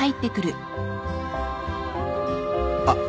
あっ。